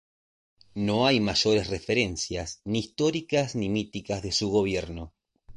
No hay mayores referencias ni históricas ni míticas de su gobierno.